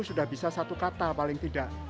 sudah bisa satu kata paling tidak